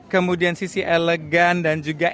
kemudian sisi elegan dan juga